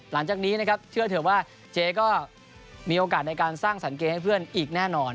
หลังจากนี้นะครับเชื่อเถอะว่าเจ๊ก็มีโอกาสในการสร้างสังเกตให้เพื่อนอีกแน่นอน